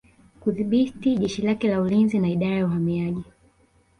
Kudhibiti jeshi lake la ulinzi na Idara ya Uhamiaji